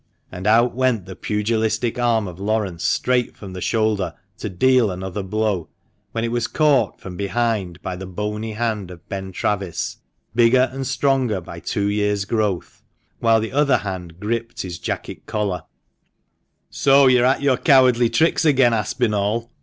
and out went the pugilistic arm of Laurence straight from the shoulder to deal another blow, when it was caught from behind by the bony hand of Ben Travis, bigger and stronger by two years' growth, whilst the other hand gripped his jacket collar. io6 THE MANCHESTER MAN "So you're at your cowardly tricks again, Aspinall